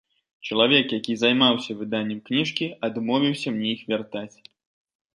Чалавек, які займаўся выданнем кніжкі, адмовіўся мне іх вяртаць.